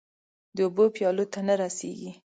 د اوبو پیالو ته نه رسيږې